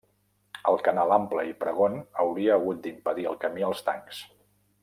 El canal ample i pregon hauria hagut d'impedir el camí als tancs.